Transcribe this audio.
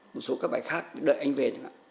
một số các bài khác đợi anh về